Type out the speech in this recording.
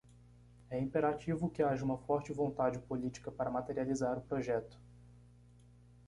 É imperativo que haja uma forte vontade política para materializar o projeto.